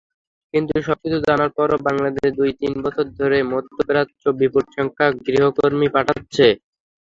কিন্তু সবকিছু জানার পরও বাংলাদেশ দুই-তিন বছর ধরে মধ্যপ্রাচ্যে বিপুলসংখ্যক গৃহকর্মী পাঠাচ্ছে।